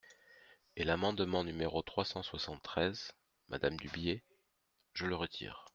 Et l’amendement numéro trois cent soixante-treize, madame Dubié ? Je le retire.